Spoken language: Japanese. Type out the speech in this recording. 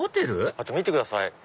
あと見てください